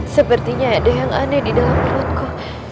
sepertinya ada yang aneh di dalam perutku